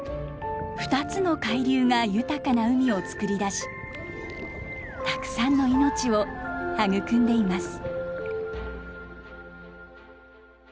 ２つの海流が豊かな海をつくり出したくさんの命を育んでいます。